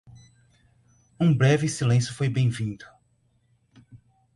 Um breve silêncio foi bem-vindo.